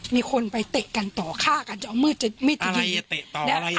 มีคนไปเตะกันต่อฆ่ากันจะเอามืดจะไม่ที่ดีอะไรอ่ะเตะต่ออะไรอ่ะ